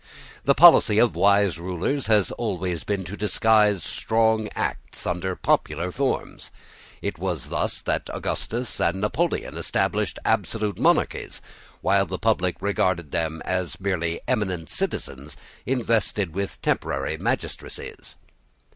The policy of wise rulers has always been to disguise strong acts under popular forms. It was thus that Augustus and Napoleon established absolute monarchies, while the public regarded them merely as eminent citizens invested with temporary magistracies.